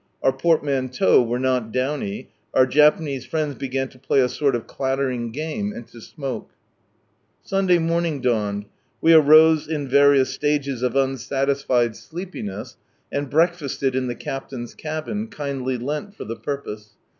Our portmanteaux were not downy; our Japanese friends began to play a sort of clattering game, and to smoke. io8 From Sunrise Land Sunday morning dawned. We arose in various stages of unsatisfied sleepiness, and breakfasted in the captain's cabin, kindly lent for the purpose.